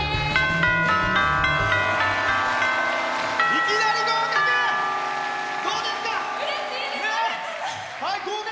いきなり合格！